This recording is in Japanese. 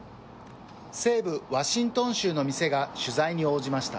西部ワシントン州の店が取材に応じました。